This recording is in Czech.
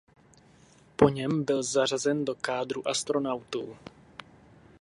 Po něm byl zařazen do kádru astronautů.